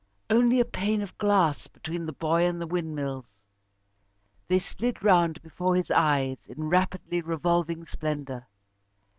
Only a pane of glass between the boy and the windmills. They slid round before his eyes in rapidly revolving splendour.